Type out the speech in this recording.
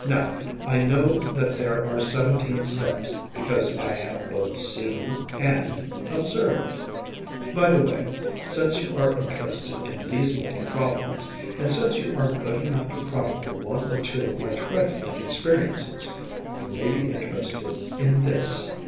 Now, I know that there are seventeen steps, because I have both seen and observed. By the way, since you are interested in these little problems, and since you are good enough to chronicle one or two of my trifling experiences, you may be interested in this.